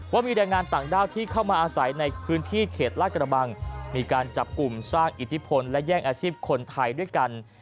ว่ามีแรงงานต่างด้าวที่เข้ามาอาศัยในพื้นที่เขตลาดกระบังมีการจับกลุ่มสร้างอิทธิพลและแย่งอาชีพคนไทยด้วยกัน